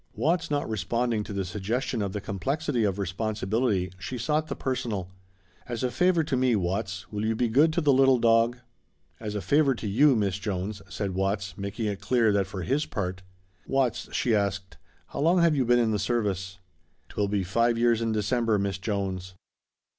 Watts not responding to the suggestion of the complexity of responsibility, she sought the personal. "As a favor to me, Watts, will you be good to the little dog?" "As a favor to you, Miss Jones," said Watts, making it clear that for his part "Watts," she asked, "how long have you been in the service?" "'Twill be five years in December, Miss Jones."